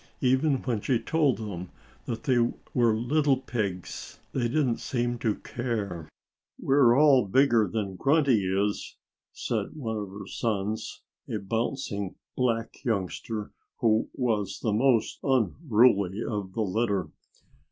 Even when she told them that they were little pigs they didn't seem to care. "We're all bigger than Grunty is," said one of her sons a bouncing black youngster who was the most unruly of the litter.